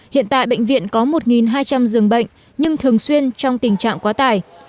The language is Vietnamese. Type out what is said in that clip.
hiện tại bệnh viện có một hai trăm linh giường bệnh nhưng thường xuyên trong tình trạng quá tải